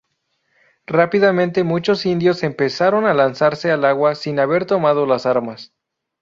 Rápidamente muchos indios empezaron a lanzarse al agua sin haber tomado las armas.